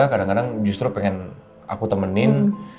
kadang kadang justru pengen aku temenin